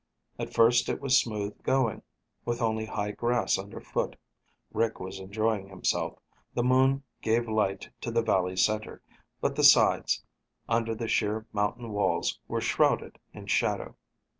At first it was smooth going, with only high grass underfoot. Rick was enjoying himself. The moon gave light to the valley center, but the sides, under the sheer mountain walls, were shrouded in shadow.